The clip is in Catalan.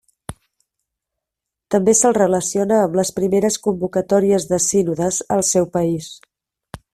També se'l relaciona amb les primeres convocatòries de sínodes al seu país.